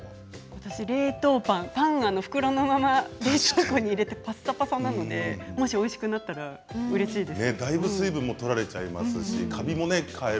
私は冷凍パンは袋のまま冷凍庫に入れてぱさぱさなのでもしおいしくなったらうれしいです。